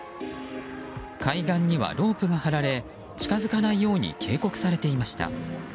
海岸にはロープが張られ近づかないように警告されていました。